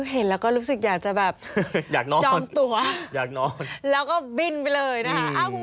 เห็นแล้วก็รู้สึกอยากจะแบบจองตัวแล้วก็บินไปเลยนะฮะ